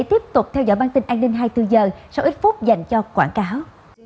tiếp tục theo dõi bản tin an ninh hai mươi bốn h sau ít phút dành cho quảng cáo